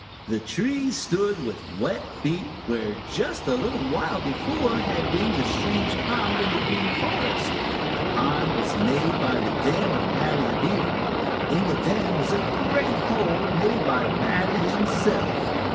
The trees stood with wet feet where just a little while before had been the strange pond in the Green Forest, the pond made by the dam of Paddy the Beaver. In the dam was a great hole made by Paddy himself.